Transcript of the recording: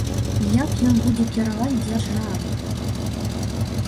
Як ён будзе кіраваць дзяржавай?